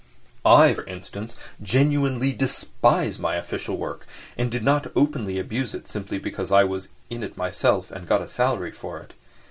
I, for instance, genuinely despised my official work and did not openly abuse it simply because I was in it myself and got a salary for it.